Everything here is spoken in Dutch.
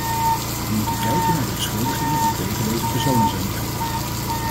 We moeten kijken naar de beschuldigingen die tegen deze personen zijn ingebracht.